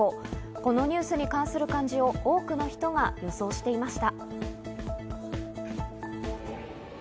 このニュースに関する漢字を多くの人が予想していました。